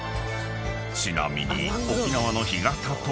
［ちなみに］